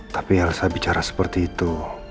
tapi alasannya bicara seperti itu